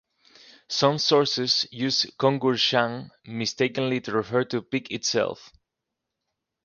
Some sources use "Kongur Shan" mistakenly to refer to the peak itself.